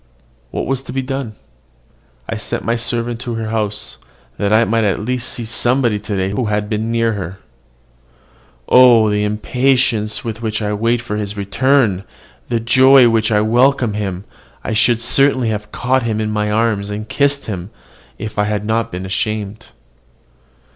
What was to be done? I sent my servant to her house, that I might at least see somebody to day who had been near her. Oh, the impatience with which I waited for his return! the joy with which I welcomed him! I should certainly have caught him in my arms, and kissed him, if I had not been ashamed.